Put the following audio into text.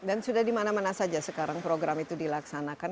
dan sudah dimana mana saja sekarang program itu dilaksanakan